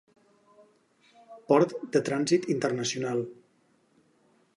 Port de trànsit internacional.